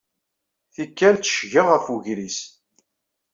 Tikkal tteccgeɣ ɣef wegris.